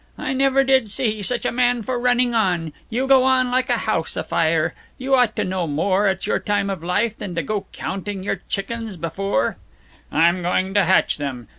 "I never did see such a man for running on. You go on like a house afire. You ought to know more, at your time of life, than to go counting your chickens before " "I'm going to hatch them.